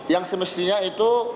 yang semestinya itu